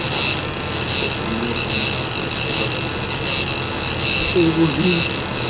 رسنیو ته مناسب رشد ورکول مهم دي.